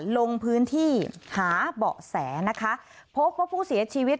ลงพื้นที่หาเบาะแสพบเพราะผู้เสียชีวิต